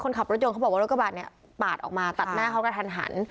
คนขับรถยนต์เขาบอกว่ารถกระบะนี้ปาดออกมาตัดหน้าเขาก็ทัน